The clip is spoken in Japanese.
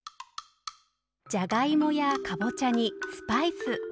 じゃがいもやカボチャにスパイス。